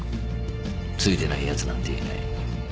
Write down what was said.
ついてないやつなんていない。